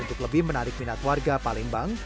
untuk lebih menarik minat warga palembang